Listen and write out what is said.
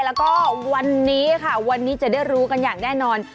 แล้วก็วันนี้ค่ะวันนี้จะได้รู้กันอย่างแน่นอน